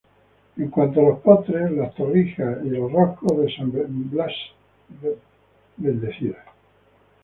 En cuanto a los postres, las torrijas y los roscos de San Blas, bendecidas.